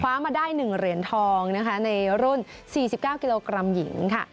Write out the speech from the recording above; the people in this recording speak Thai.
คว้ามาได้หนึ่งเหรียญทองนะคะในรุ่นสี่สิบเก้ากิโลกรัมหญิงค่ะ